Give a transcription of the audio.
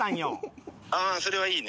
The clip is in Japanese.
「ああそれはいいね」